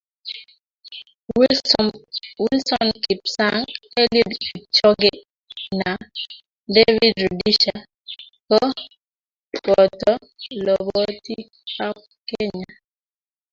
Wilson kipsang, Eliud Kipchoge na David Rudisha ko boto lobotii ab Kenya.